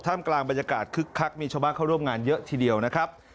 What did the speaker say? กลางบรรยากาศคึกคักมีชาวบ้านเข้าร่วมงานเยอะทีเดียวนะครับ